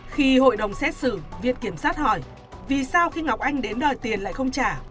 khi hội đồng xét xử viện kiểm sát hỏi vì sau khi ngọc anh đến đòi tiền lại không trả